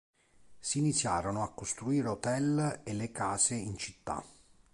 Si iniziarono a costruire hotel e le case in città.